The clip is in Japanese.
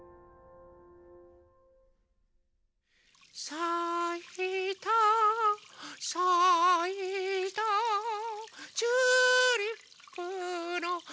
「さいたさいたチューリップのはなが」